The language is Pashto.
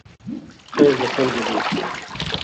خیر د خلکو دی